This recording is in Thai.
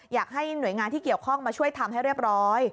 อยากให้หน่วยงานที่เกี่ยวข้องมาช่วยทำให้เรียบร้อย